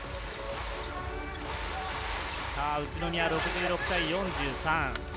宇都宮６６対４３。